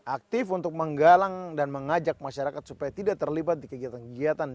aktif untuk menggalang dan mengajak masyarakat supaya tidak terlibat di kegiatan kegiatan